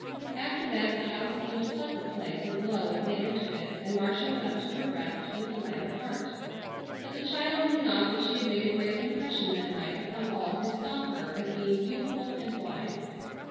After that the house seemed a pleasant place aglow as they entered it, and Marcia went up to her rest with a lighter heart. But the child knew not that she had made a great impression that night upon all who saw her as being beautiful and wise.